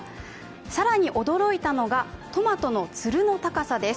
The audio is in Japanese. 更に驚いたのがトマトのつるの高さです。